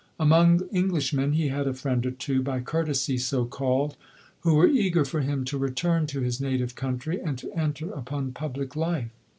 Among English men, he had a friend or two, by courtesy so called, who were eager for him to return to his native country, and to enter upon public life.